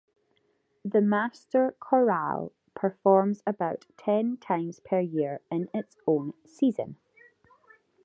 The Master Chorale performs about ten times per year in its own season.